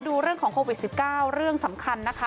ดูเรื่องของโควิด๑๙เรื่องสำคัญนะคะ